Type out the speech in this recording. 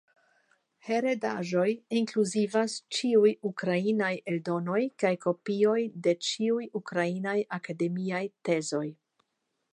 Heredaĵoj inkluzivas ĉiuj ukrainaj eldonoj kaj kopioj de ĉiuj ukrainaj akademiaj tezoj.